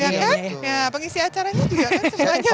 ya kan pengisi acaranya juga kan sebenarnya lupa